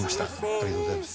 ありがとうございます。